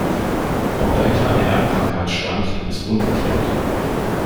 Ob dahinter eine Erbkrankheit stand, ist ungeklärt.